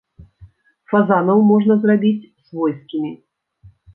Фазанаў можна зрабіць свойскімі.